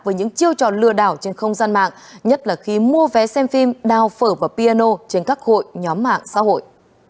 với những chiêu trò lừa đảo trên không gian mạng nhất là khi mua vé xem phim đào phở và piano trên các hội nhóm mạng xã hội